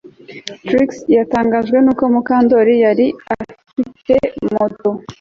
Trix yatangajwe nuko Mukandoli yari afite moto